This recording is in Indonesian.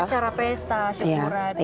acara pesta syukuran